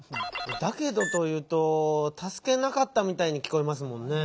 「だけど」というとたすけなかったみたいにきこえますもんね。